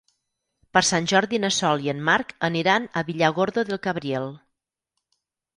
Per Sant Jordi na Sol i en Marc aniran a Villargordo del Cabriel.